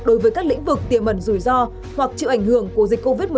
đối với các lĩnh vực tiềm ẩn rủi ro hoặc chịu ảnh hưởng của dịch covid một mươi chín